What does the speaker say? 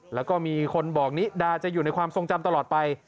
แล้วก็มีคนบอกนิดาจะอยู่ในความทรงจำตลอดไป